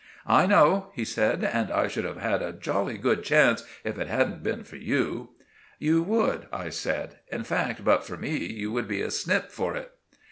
"I know," he said, "and I should have had a jolly good chance if it hadn't been for you." "You would," I said. "In fact, but for me you would be a snip for it."